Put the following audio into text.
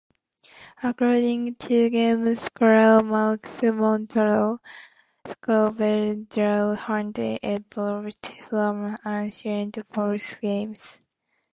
According to game scholar Markus Montola, scavenger hunts evolved from ancient folk games.